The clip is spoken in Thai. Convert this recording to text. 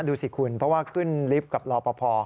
ดูสิคุณเพราะว่าขึ้นลิฟต์กับรอปภ